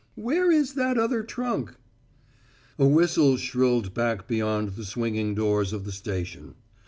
Where is that other trunk?" A whistle shrilled back beyond the swinging doors of the station.